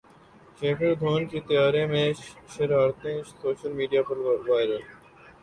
شیکھر دھون کی طیارے میں شرارتیں سوشل میڈیا پر وائرل